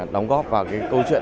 đóng góp vào cái câu chuyện